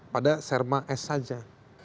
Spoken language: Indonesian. pada serma s saja